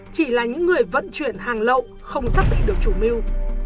chỉ là những người vận chuyển hàng lậu không sắp bị được chủ mưu